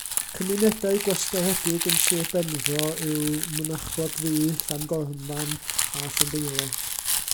Cymunedau gwasgaredig yn sir Benfro yw Mynachlog-ddu, Llangolman a Llandeilo.